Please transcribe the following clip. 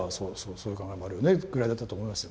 そういう考えもあるよねぐらいだったと思いますよ。